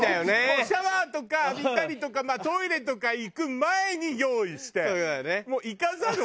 もうシャワーとか浴びたりとかまあトイレとか行く前に用意して。